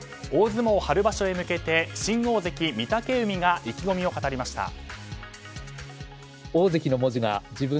大相撲春場所へ向けて新大関・御嶽海が意気込みを語りました。